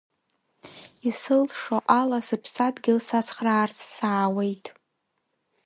Исылшо ала сыԥсадгьыл сацхраарц саауеит.